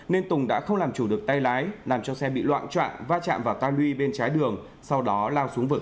nên tùng đã không làm chủ được tay lái làm cho xe bị loạn trọng va chạm vào tan luy bên trái đường sau đó lao xuống vực